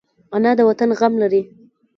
انا د وطن غم لري